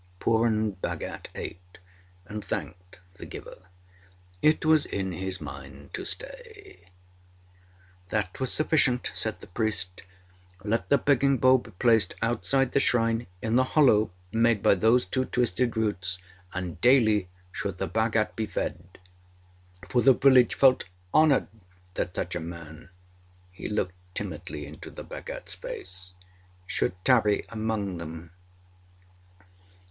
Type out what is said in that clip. Purun Bhagat ate, and thanked the giver. It was in his mind to stay. That was sufficient, said the priest. Let the begging bowl be placed outside the shrine, in the hollow made by those two twisted roots, and daily should the Bhagat be fed; for the village felt honoured that such a man he looked timidly into the Bhagatâs face should tarry among them.